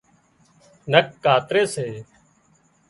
نک ڪاتري سي